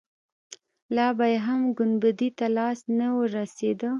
لا به يې هم ګنبدې ته لاس نه وررسېده.